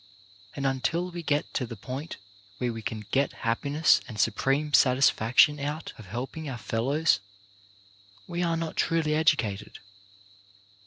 And until we get to the point where we can get happiness and supreme satisfac tion out of helping our fellows, we are not truly educated.